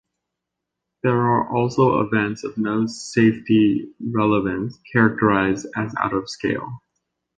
There are also events of no safety relevance, characterized as "out of scale".